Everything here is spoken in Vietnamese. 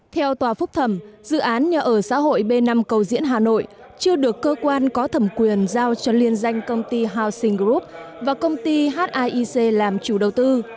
theo tòa phúc thẩm dự án nhà ở xã hội b năm cầu diễn hà nội chưa được cơ quan có thẩm quyền giao cho liên danh công ty housing group và công ty hic làm chủ đầu tư